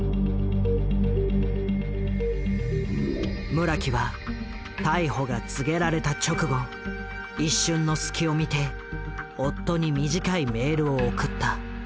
村木は逮捕が告げられた直後一瞬の隙を見て夫に短いメールを送った。